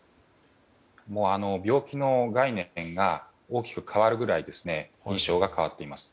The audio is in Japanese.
病気の概念が大きく変わるぐらい変わっています。